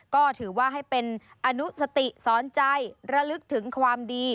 ก็ถือว่าให้เป็นอนุสติสอนใจระลึกถึงความดี